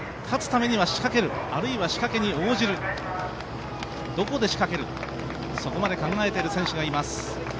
勝つためには仕掛ける、あるいは仕掛けに応じる、どこで仕掛ける、そこまで考えている選手がいます。